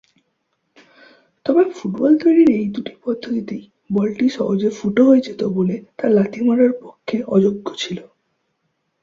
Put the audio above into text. তবে ফুটবল তৈরির এই দুটি পদ্ধতিতেই বলটি সহজে ফুটো হয়ে যেত ব'লে তা লাথি মারার পক্ষে অযোগ্য ছিল।